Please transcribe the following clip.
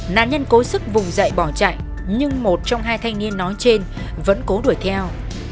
nạn nhân cố sức vùng dậy bỏ chạy nhưng một trong hai thanh niên nói trên vẫn cố đuổi theo